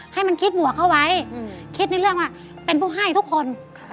ให้มันคิดบวกเข้าไว้คิดในเรื่องว่าเป็นผู้ให้ทุกคน